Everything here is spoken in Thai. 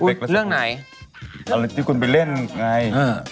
เรื่องไหนอะไรที่คุณไปเล่นไงอ่า